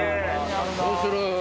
どうする？